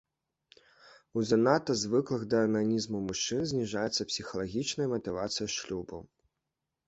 У занадта звыклых да ананізму мужчын зніжаецца псіхалагічная матывацыя шлюбу.